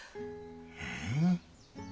うん？